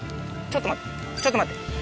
ちょっと待ってちょっと待って。